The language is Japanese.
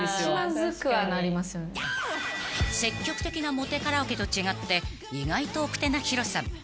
［積極的なモテカラオケと違って意外と奥手なＨｉｒｏさん］